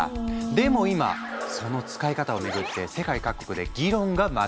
でも今その使い方を巡って世界各国で議論が巻き起こっている。